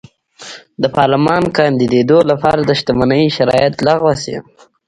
د پارلمان کاندېدو لپاره د شتمنۍ شرایط لغوه شي.